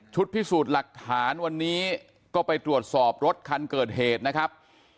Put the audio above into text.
พิสูจน์หลักฐานวันนี้ก็ไปตรวจสอบรถคันเกิดเหตุนะครับ